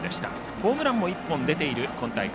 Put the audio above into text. ホームランも１本出ている今大会